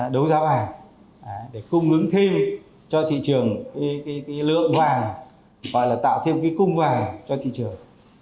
đấu giá vàng để cung ứng thêm cho thị trường lượng vàng tạo thêm cung vàng cho thị trường